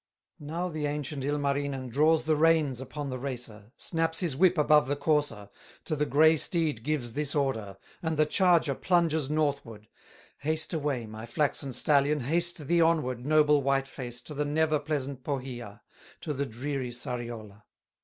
Now the ancient Ilmarinen Draws the reins upon the racer, Snaps his whip above the courser, To the gray steed gives this order, And the charger plunges northward: "Haste away, my flaxen stallion, Haste thee onward, noble white face, To the never pleasant Pohya, To the dreary Sariola!"